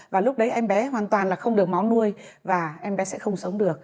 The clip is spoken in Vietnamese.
và lúc đấy em bé hoàn toàn là không được máu nuôi và em bé sẽ không sống được